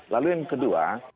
lalu yang kedua